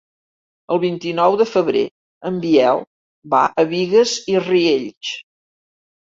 El vint-i-nou de febrer en Biel va a Bigues i Riells.